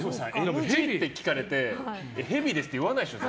ＮＧって聞かれてヘビって言わないでしょ。